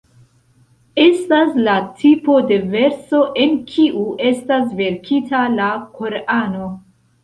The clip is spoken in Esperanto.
Estas la tipo de verso en kiu estas verkita la Korano.